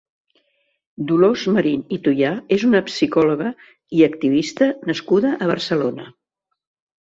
Dolors Marin i Tuyà és una psicòloga i activista nascuda a Barcelona.